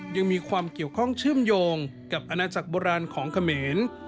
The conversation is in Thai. ยังมีความเกี่ยวข้องเชื่อมโยงกับอาณาจักรโบราณของเขมร